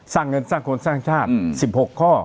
สร้างเงินสร้างคนสร้างชาติ๑๖ข้อ